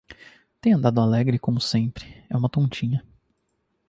Tem andado alegre, como sempre; é uma tontinha.